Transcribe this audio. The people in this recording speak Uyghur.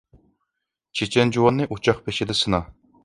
چېچەن جۇۋاننى ئوچاق بېشىدا سىنا.